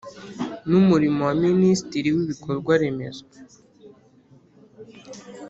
n Umurimo na Minisitiri w Ibikorwa Remezo